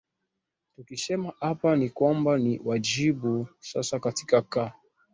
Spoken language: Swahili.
tukisema hapa ni kwamba ni wajibu sasa katika ka